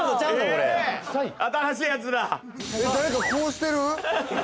これ新しいやつだ誰かこうしてる？